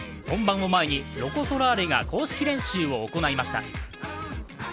本番を前にロコ・ソラーレが公式練習を行いました。